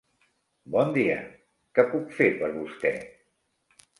Bon dia, què puc fer per vostè?